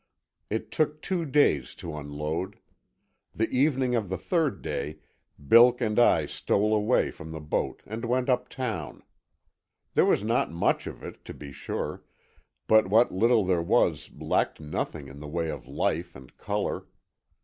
It took two days to unload. The evening of the third day Bilk and I stole away from the boat and went uptown. There was not much of it, to be sure, but what little there was lacked nothing in the way of life and color.